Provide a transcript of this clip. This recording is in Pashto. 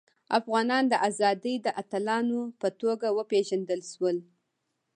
افغانان د ازادۍ د اتلانو په توګه وپيژندل شول.